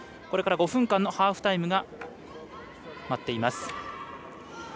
これから５分間のハーフタイムが待っています。